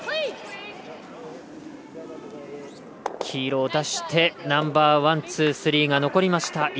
黄色を出してナンバーワン、ツー、スリーが残りました。